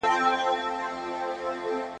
نو تاريخ هم داسې لیکي